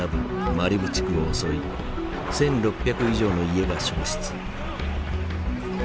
マリブ地区を襲い１，６００以上の家が焼失。